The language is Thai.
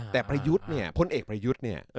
แต่ประยุทธ์เนี่ยพลเอกประยุทธ์เนี่ย